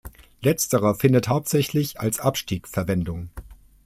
Letzterer findet hauptsächlich als Abstieg Verwendung.